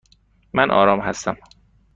من آرام هستم.